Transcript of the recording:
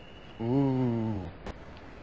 うん。